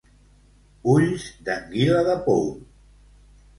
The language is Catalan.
Ulls d'anguila de pou.